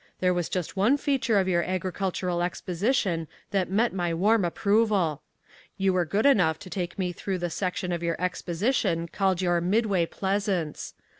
There was just one feature of your agricultural exposition that met my warm approval. You were good enough to take me through the section of your exposition called your Midway Pleasance.